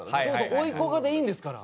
「おいこが」でいいんですから。